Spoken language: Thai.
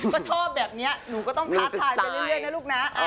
ก็ชอบแบบนี้หนูก็ต้องท้าทายไปเรื่อยนะลูกนะ